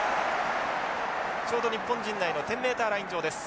ちょうど日本陣内の１０ｍライン上です。